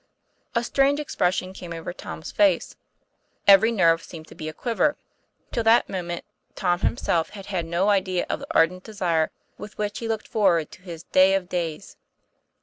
A strange expression came over Tom's face. Every nerve seemed to be a quiver. Till that mo ment, Tom himself had had no idea of the ardent desire with which he looked forward to his "day of days."